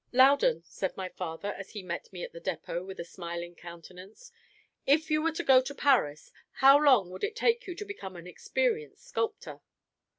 "Loudon," said my father, as he met me at the depot, with a smiling countenance, "if you were to go to Paris, how long would it take you to become an experienced sculptor?"